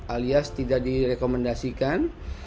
alias tidak direkomendasikan